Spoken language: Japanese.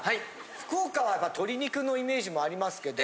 福岡は鶏肉のイメージもありますけど。